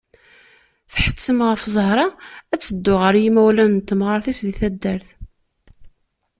Tḥettem ɣef Zahra ad teddu ɣer yimawlan n temɣart-is di taddart.